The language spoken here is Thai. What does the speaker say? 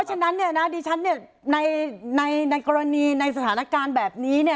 เพราะฉะนั้นเนี่ยกรณีในสถานการณ์แบบนี้เนี่ย